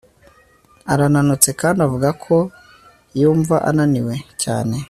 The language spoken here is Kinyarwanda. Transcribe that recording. arananutse kandi avuga ko yumva ananiwe cyane